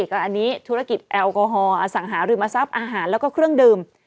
ก็อันนี้ธุรกิจแอลกอฮอล์อสังหาริมทรัพย์อาหารแล้วก็เครื่องดื่ม